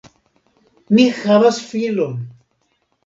Mi havas filon!